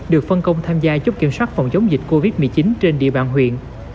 được phân công tham gia giúp kiểm soát phòng chống dịch covid một mươi chín trên địa bàn huyện